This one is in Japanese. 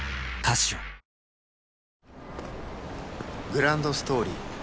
グランドストーリー